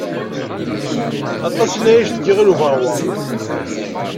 Aṭas i nɛac di Yiɣil Ubeṛwaq.